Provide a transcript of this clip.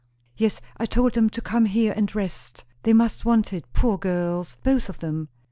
"Yes, I told them to come here and rest. They must want it, poor girls, both of them."